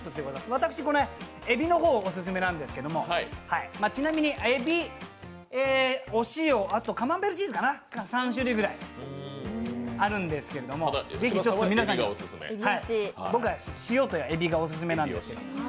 私、えびの方をオススメなんですけれどもちなみに、えび、お塩、あとはカマンベールチーズかな、３種類ぐらい、あるんですけどぜひ皆さんに、僕はしおとえびがオススメなんです。